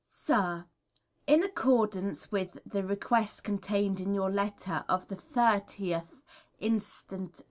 Sir, In accordance with the request contained in your letter of the 30th inst.